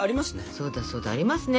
そうだそうだ。ありますね。